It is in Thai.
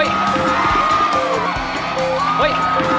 เฮ้ย